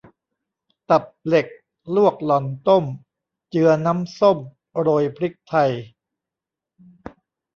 ตับเหล็กลวกหล่อนต้ม เจือน้ำส้มโรยพริกไทย